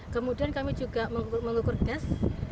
kemudian kami juga mengukur gas